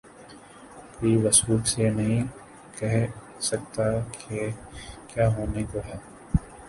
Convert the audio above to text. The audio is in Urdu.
کوئی وثوق سے نہیں کہہ سکتا کہ کیا ہونے کو ہے۔